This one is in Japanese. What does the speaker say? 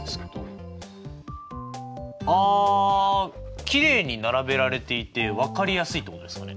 あきれいに並べられていて分かりやすいってことですかね？